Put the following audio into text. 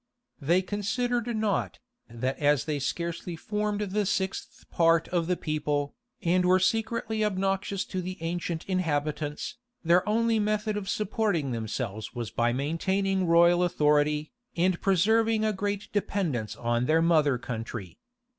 They considered not, that as they scarcely formed the sixth part of the people, and were secretly obnoxious to the ancient inhabitants, their only method of supporting themselves was by maintaining royal authority, and preserving a great dependence on their mother country.